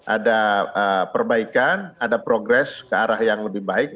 ada perbaikan ada progres ke arah yang lebih baik